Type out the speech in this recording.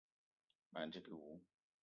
Ma ndigui wou.